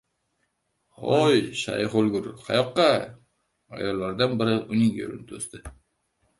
— Hoy, Shayx o‘lgur, qayoqqa? — ayollardan biri uning yo‘lini to‘sdi.